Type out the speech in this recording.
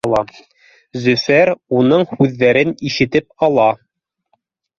Зөфәр уның һүҙҙәрен ишетеп ала